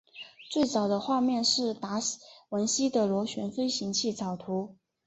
最早的画面是达文西的螺旋飞行器草图。